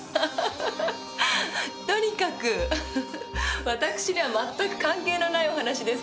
とにかくフフフ私には全く関係のないお話ですから。